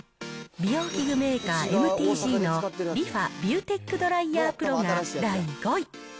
美容器具メーカー、ＭＴＧのリファビューテックドライヤープロが第５位。